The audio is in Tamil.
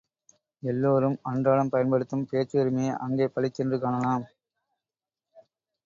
எல்லாரும் அன்றாடம் பயன்படுத்தும் பேச்சுரிமையை அங்கே பளிச்சென்று காணலாம்.